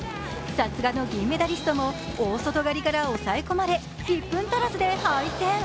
さすがの銀メダリストも大外刈りから抑え込まれ１分足らずで敗戦。